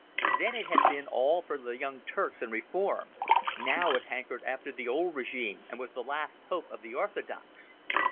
Then it had been all for the Young Turks and reform; now it hankered after the old regime and was the last hope of the Orthodox.